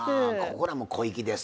ここらも小粋です。